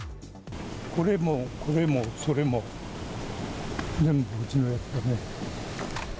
これもこれもそれも全部うちのやつだね。